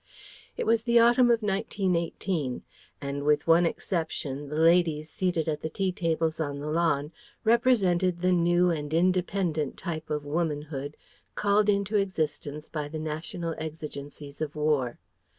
It was the autumn of 1918, and with one exception the ladies seated at the tea tables on the lawn represented the new and independent type of womanhood called into existence by the national exigencies of war.